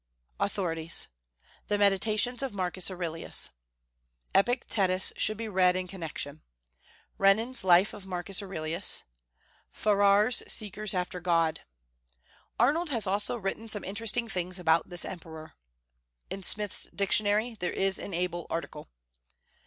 AUTHORITIES. The "Meditations" of Marcus Aurelius; Epictetus should be read in connection. Renan's Life of Marcus Aurelius. Farrar's Seekers after God. Arnold has also written some interesting things about this emperor. In Smith's Dictionary there is an able article.